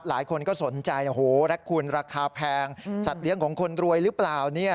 หลายคนก็สนใจโอ้โหรักคุณราคาแพงสัตว์เลี้ยงของคนรวยหรือเปล่าเนี่ย